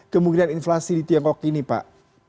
kemungkinan inflasi di tiongkok ini pak